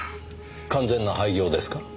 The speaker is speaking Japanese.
完全な廃業ですか？